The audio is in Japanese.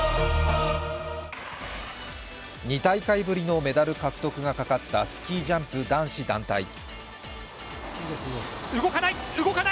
２大会ぶりのメダル獲得がかかったスキージャンプ男子団体。